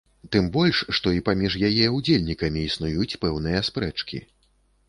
Тым больш, што і паміж яе ўдзельнікамі існуюць пэўныя спрэчкі.